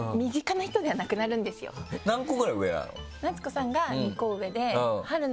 何個ぐらい上なの？